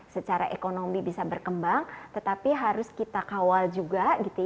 secara ekonomi bisa berkembang tetapi harus kita kawal juga